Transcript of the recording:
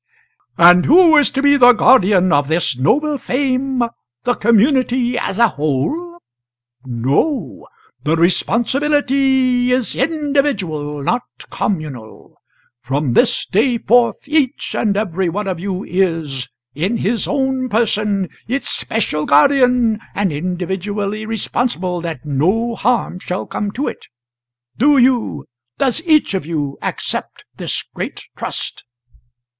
] "And who is to be the guardian of this noble fame the community as a whole? No! The responsibility is individual, not communal. From this day forth each and every one of you is in his own person its special guardian, and individually responsible that no harm shall come to it. Do you does each of you accept this great trust?